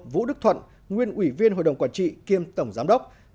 vũ đức thuận nguyên ủy viên hội đồng quản trị kiêm tổng giám đốc